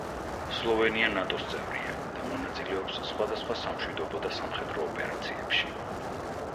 სლოვენია ნატო-ს წევრია და მონაწილეობს სხვადასხვა სამშვიდობო და სამხედრო ოპერაციებში.